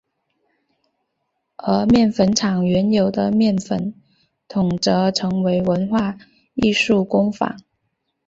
而面粉厂原有的面粉筒则成为文化艺术工坊。